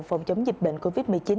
phòng chống dịch bệnh covid một mươi chín